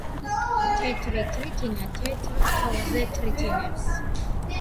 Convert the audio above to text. თეთრი თრითრინა თეთრ თოვლზე თრითნებს